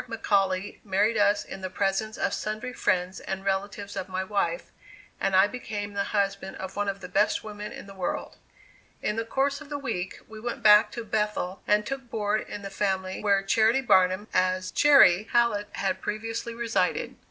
McAuley married us in the presence of sundry friends and relatives of my wife, and I became the husband of one of the best women in the world. In the course of the week we went back to Bethel and took board in the family where Charity Barnum as "Chairy" Hallett had previously resided.